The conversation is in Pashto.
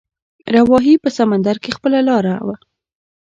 راوهي په سمندر کې خپله لاره